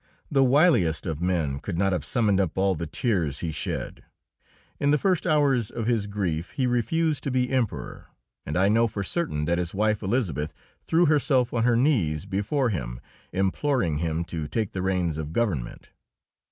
The wiliest of men could not have summoned up all the tears he shed. In the first hours of his grief he refused to be Emperor, and I know for certain that his wife Elisabeth threw herself on her knees before him, imploring him to take the reins of government.